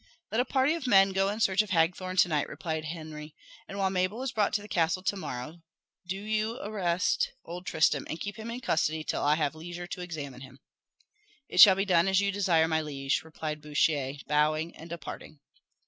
"Let a party of men go in search of Hagthorne to night," replied Henry; "and while Mabel is brought to the castle to morrow, do you arrest old Tristram, and keep him in custody till I have leisure to examine him." "It shall be done as you desire, my liege," replied Bouchier, bowing and departing.